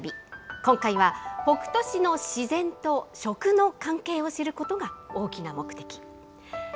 今回は北杜市の自然と食の関係を知ることが、大きな目的です。